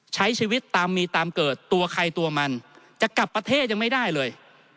ใช้ชีวิตตามมีตามเกิดตัวใครตัวมันจะกลับประเทศยังไม่ได้เลย